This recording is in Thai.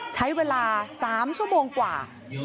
ใช้เวลา๓ชั่วโมงกว่า